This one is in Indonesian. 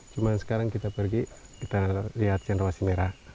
cuma sekarang kita pergi kita lihat cendrawasi merah